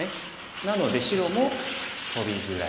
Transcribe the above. なので白もトビぐらい。